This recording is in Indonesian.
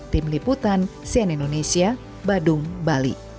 tim liputan cn indonesia badung bali